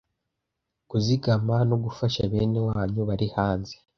kuzigama no gufasha bene wanyu bari hanze